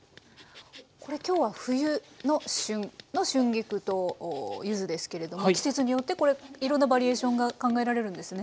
これ今日は冬の旬の春菊と柚子ですけれども季節によってこれいろんなバリエーションが考えられるんですね。